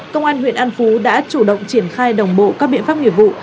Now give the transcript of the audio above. công an huyện an phú đã chủ động triển khai đồng bộ các biện pháp nghiệp vụ